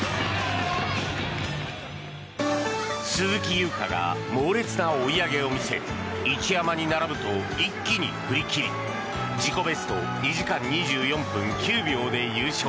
鈴木優花が猛烈な追い上げを見せ一山に並ぶと一気に振り切り、自己ベスト２時間２４分９秒で優勝。